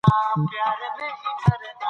مي په زړه دي